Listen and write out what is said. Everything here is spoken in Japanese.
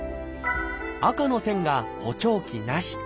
赤の線が補聴器なし